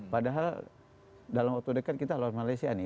padahal dalam waktu dekat kita lawan malaysia nih